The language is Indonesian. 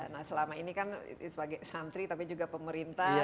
nah selama ini kan sebagai santri tapi juga pemerintah